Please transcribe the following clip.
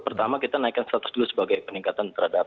pertama kita naikkan status dulu sebagai peningkatan terhadap